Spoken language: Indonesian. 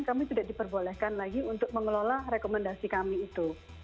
kami tidak diperbolehkan lagi untuk mengelola rekomendasi kami itu